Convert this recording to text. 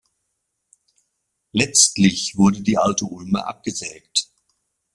Letztlich wurde die alte Ulme abgesägt.